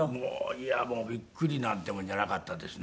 いやびっくりなんてもんじゃなかったですね。